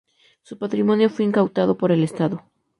Su patrimonio fue incautado por el Estado.